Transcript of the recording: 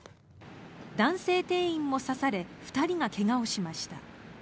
男性店員も刺され２人が怪我をしました。